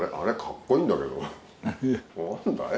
何だい？